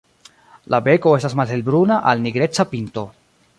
La beko estas malhelbruna al nigreca pinto.